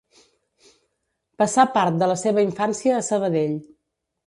Passà part de la seva infància a Sabadell.